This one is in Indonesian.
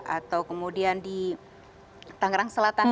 atau kemudian di tangerang selatan